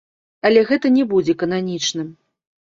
Але гэта не будзе кананічным.